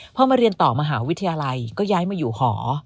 พอมาเรียนต่อมหาวิทยาลัยก็ย้ายมาอยู่หอ